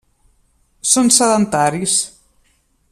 Són sedentaris.